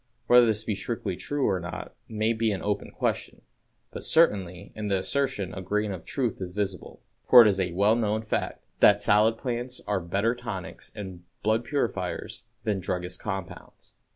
Whether this be strictly true or not may be an open question, but certainly in the assertion a grain of truth is visible; for it is a well known fact that "salad plants are better tonics and blood purifiers than druggists' compounds."